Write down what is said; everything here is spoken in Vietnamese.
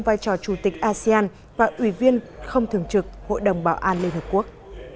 vai trò chủ tịch asean và ủy viên không thường trực hội đồng bảo an liên hợp quốc